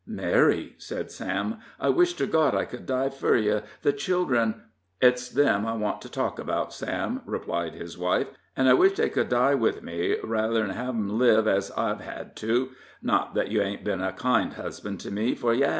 "Mary," said Sam, "I wish ter God I could die fur yer. The children " "It's them I want to talk about, Sam," replied his wife. 'An' I wish they could die with me, rather'n hev 'em liv ez I've hed to. Not that you ain't been a kind husband to me, for you hev.